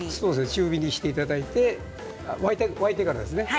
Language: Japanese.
中火にしていただいて沸いてからですね。